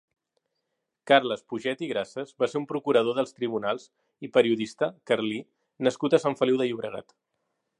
Carles Puget i Grases va ser un procurador dels tribunals i periodista carlí nascut a Sant Feliu de Llobregat.